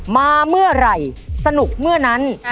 มาเมื่อไหร่สนุกเมื่อนั้น